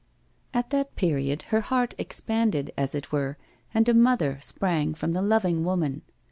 At that period her heart expanded, as it were, and a mother sprang from the loving woman.